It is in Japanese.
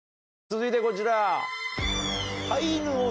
続いてこちら。